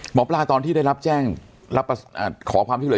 หมอปลาตอนที่ได้รับแจ้งรับขอความช่วยเหลือ